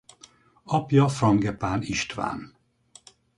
Apja Frangepán István.